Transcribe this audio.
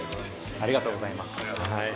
ありがとうございます。